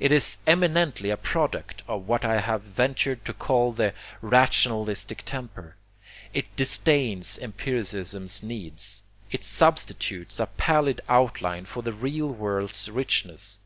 It is eminently a product of what I have ventured to call the rationalistic temper. It disdains empiricism's needs. It substitutes a pallid outline for the real world's richness.